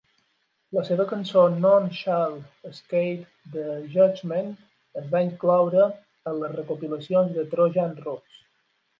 La seva cançó None Shall Escape the Judgement es va incloure a les recopilacions de Trojan Roots.